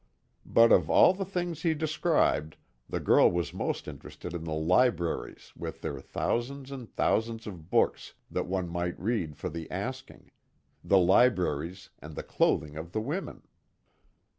But of all the things he described, the girl was most interested in the libraries with their thousands and thousands of books that one might read for the asking the libraries, and the clothing of the women.